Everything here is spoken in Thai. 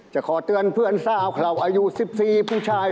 จะขอเตือนเพื่อนสาวเขาอายุ๑๔ผู้ชาย